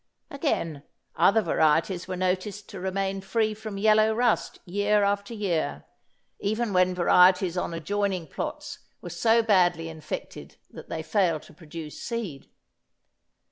Again, other varieties were noticed to remain free from yellow rust year after year, even when varieties on adjoining plots were so badly infected that they failed to produce seed.